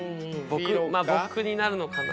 僕になるのかな。